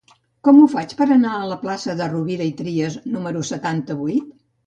Com ho faig per anar a la plaça de Rovira i Trias número setanta-vuit?